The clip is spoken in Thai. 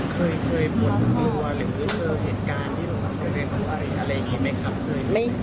เคยเคยเจอเหตุการณ์ที่ลงทางโรงเรียนอะไรอย่างนี้ไหมครับ